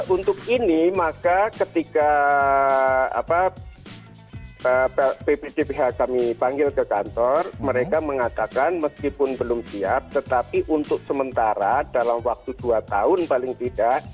untuk ini maka ketika bpdbh kami panggil ke kantor mereka mengatakan meskipun belum siap tetapi untuk sementara dalam waktu dua tahun paling tidak